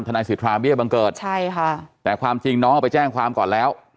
นายสิทธาเบี้ยบังเกิดใช่ค่ะแต่ความจริงน้องเอาไปแจ้งความก่อนแล้ว